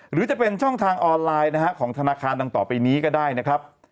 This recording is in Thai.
หรือจะเป็นช่องทางออนไลน์นะฮะของธนาคารดังต่อไปนี้ก็ได้นะครับ